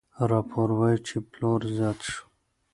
راپور وايي چې پلور زیات شو.